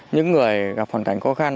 những người gặp hoàn cảnh khó khăn